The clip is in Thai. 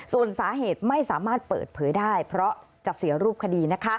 ส่วนสาเหตุไม่สามารถเปิดเผยได้เพราะจะเสียรูปคดี